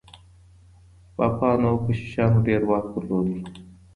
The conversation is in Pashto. پاپانو او کشیشانو ډېر واک درلود.